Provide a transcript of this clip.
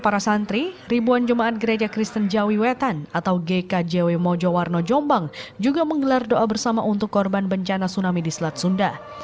para santri ribuan jemaat gereja kristen jawi wetan atau gkjw mojowarno jombang juga menggelar doa bersama untuk korban bencana tsunami di selat sunda